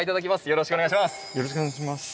よろしくお願いします。